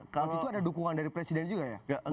waktu itu ada dukungan dari presiden juga ya